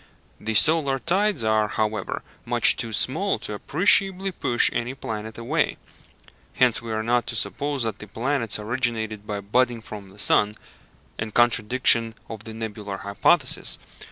The solar tides are, however, much too small to appreciably push any planet away, hence we are not to suppose that the planets originated by budding from the sun, in contradiction of the nebular hypothesis.